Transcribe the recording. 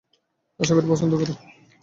আশাকরি পছন্দ করে।